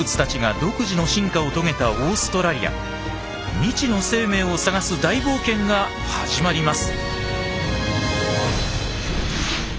未知の生命を探す大冒険が始まります。